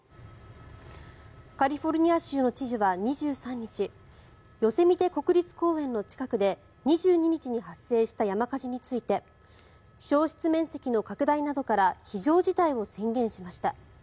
カリフォルニア州の知事は２３日ヨセミテ国立公園の近くで２２日に発生した山火事について焼失面積の拡大などから非常事態を宣言しました。